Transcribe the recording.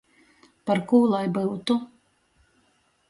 Parkū lai byutu?